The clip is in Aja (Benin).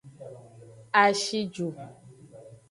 A shi ju.